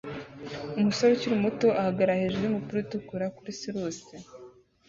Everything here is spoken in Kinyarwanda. Umusore ukiri muto ahagarara hejuru yumupira utukura kuri sirusi